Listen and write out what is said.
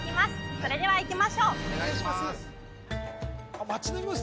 それではいきましょうあっ